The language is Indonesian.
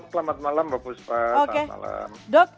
selamat malam mbak buspa